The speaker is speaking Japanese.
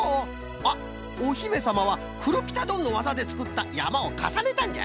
あっおひめさまはクルピタドンのわざでつくったやまをかさねたんじゃな。